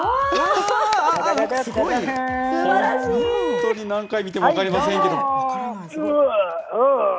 本当に何回見ても分かりませんけど。